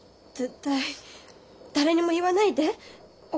絶対誰にも言わないで。